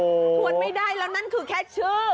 ควรไม่ได้แล้วนั่นคือแค่ชื่อ